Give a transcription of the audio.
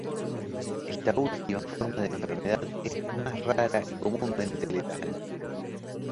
Esta última forma de enfermedad es más rara y comúnmente letal.